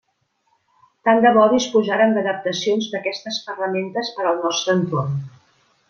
Tant de bo disposàrem d'adaptacions d'aquestes ferramentes per al nostre entorn.